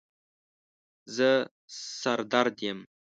زه سر درد یم